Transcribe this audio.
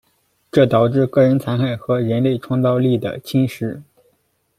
这导致“个人残害”和人类创造力的侵蚀。